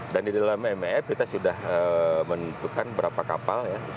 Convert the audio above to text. dan di dalam mef kita sudah menentukan berapa kapal